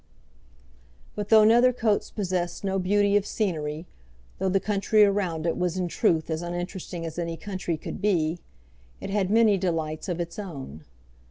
But though Nethercoats possessed no beauty of scenery, though the country around it was in truth as uninteresting as any country could be, it had many delights of its own.